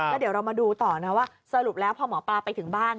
แล้วเดี๋ยวเรามาดูต่อนะว่าสรุปแล้วพอหมอปลาไปถึงบ้าน